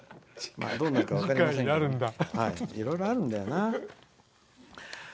いろいろあるんだよな。